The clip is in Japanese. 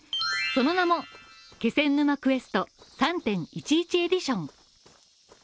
その名も「気仙沼クエスト３．１１エディション」。